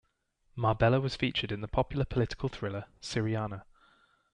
Marbella was featured in the popular political thriller, "Syriana".